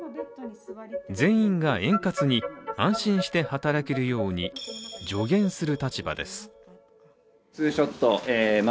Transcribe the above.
全員が円滑に、安心して働けるように助言する立場です。